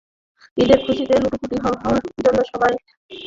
ঈদের খুশিতে লুটোপুটি খাওয়ার জন্য সবাই এখন হরেক আয়োজনে ব্যস্ত দিন কাটাচ্ছে।